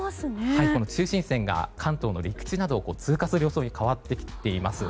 はい、中心線が関東の陸地などを通過する予想に変わってきています。